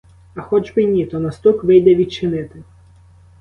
А хоч би й ні, то на стук вийде відчинити.